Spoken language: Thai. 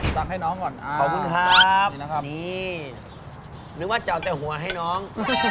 ตั้งให้น้องก่อนอ่ะนี่นะครับนี่นึกว่าจะเอาแต่หัวให้น้อง